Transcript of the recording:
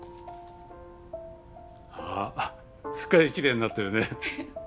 あっすっかりきれいになってるね。